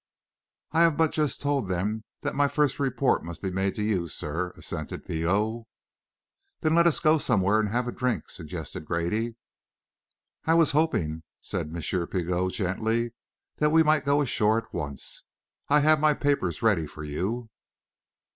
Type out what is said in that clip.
"I have but just told them that my first report must be made to you, sir," assented Pigot. "Then let's go somewhere and have a drink," suggested Grady. "I was hoping," said M. Pigot, gently, "that we might go ashore at once. I have my papers ready for you...."